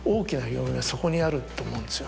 はそこにあると思うんですよ。